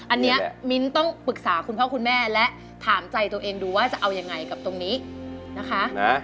อันนี้มิ้นต้องปรึกษาคุณพ่อคุณแม่และถามใจตัวเองดูว่าจะเอายังไงกับตรงนี้นะคะ